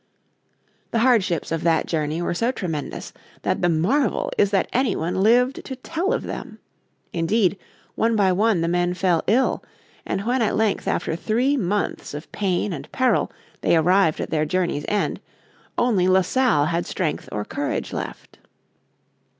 The hardships of the journey were so tremendous that the marvel is that any one lived to tell of them. Indeed, one by one the men fell ill, and when at length after three months of pain and peril they arrived at their journey's end only La Salle had strength or courage left.